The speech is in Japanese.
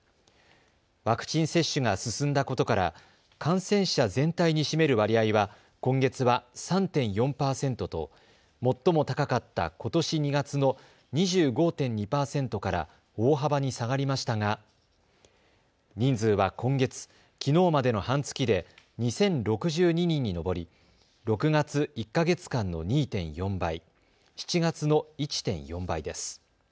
ワクチン接種が進んだことから感染者全体に占める割合は今月は３．４％と最も高かったことし２月の２５．２％から大幅に下がりましたが人数は今月、きのうまでの半月で２０６２人に上り６月１か月間の２．４倍、７月の１．４倍です。